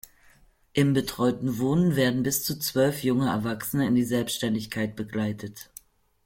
Im Betreuten Wohnen werden bis zu zwölf junge Erwachsene in die Selbständigkeit begleitet.